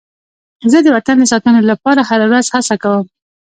زه د وطن د ساتنې لپاره هره ورځ هڅه کوم.